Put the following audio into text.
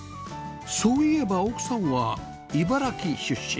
そういえば奥さんは茨城出身